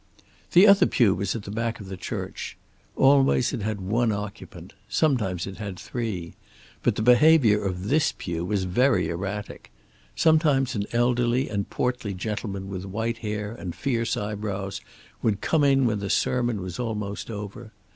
The other pew was at the back of the church. Always it had one occupant; sometimes it had three. But the behavior of this pew was very erratic. Sometimes an elderly and portly gentleman with white hair and fierce eyebrows would come in when the sermon was almost over.